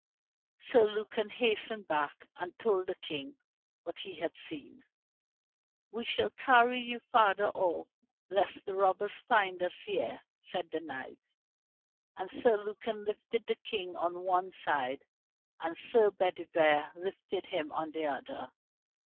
Sir Lucan hastened back, and told the King what he had seen. "We will carry you farther off, lest the robbers find us here," said the knights. And Sir Lucan lifted the King on one side and Sir Bedivere lifted him on the other.